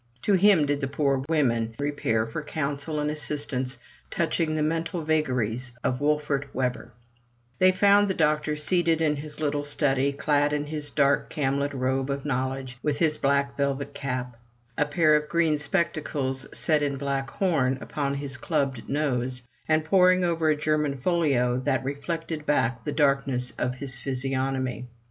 To him did the poor women repair for counsel and assistance touch ing the mental vagaries of Wolfert Webber, They found the doctor seated in his little study, clad in his dark camlet robe of knowledge, with his black velvet cap; a pair of green spectacles set in black horn upon his clubbed nose, and poring over a German folio that reflected back the darkness of his physiognomy.